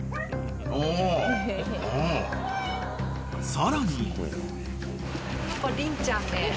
［さらに］